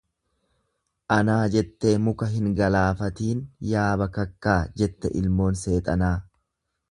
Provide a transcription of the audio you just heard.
Anaa jettee muka hin galaafatiin yaa bakakkaa jette ilmoon seexanaa.